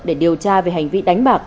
để điều tra về hành vi đánh bạc